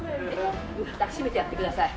抱きしめてやってください。